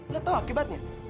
lo tau akibatnya